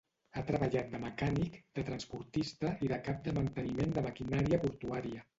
Ha treballat de mecànic, de transportista i de cap de manteniment de maquinària portuària.